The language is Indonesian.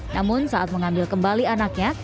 namun saat mengambil kembali anaknya